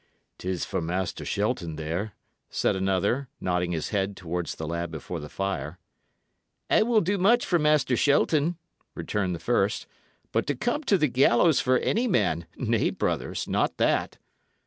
"'Tis for Master Shelton there," said another, nodding his head towards the lad before the fire. "I will do much for Master Shelton," returned the first; "but to come to the gallows for any man nay, brothers, not that!"